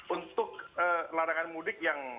untuk larangan mudik yang